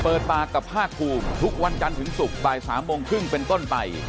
เปิดปากกับภาคภูมิทุกวันจันทร์ถึงศุกร์บ่าย๓โมงครึ่งเป็นต้นไป